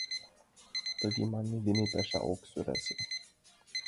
Тыге манме дене паша ок сӧрасе.